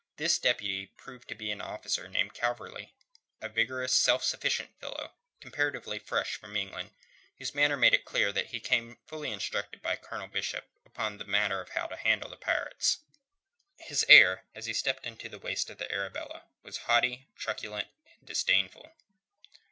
This deputy proved to be an officer named Calverley, a vigorous, self sufficient fellow, comparatively fresh from England, whose manner made it clear that he came fully instructed by Colonel Bishop upon the matter of how to handle the pirates. His air, as he stepped into the waist of the Arabella, was haughty, truculent, and disdainful.